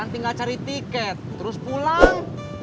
tinggal cari tiket terus pulang